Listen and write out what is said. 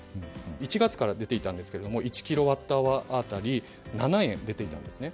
１月から出ていたんですが１キロワット当たり７円が出ていたんですね。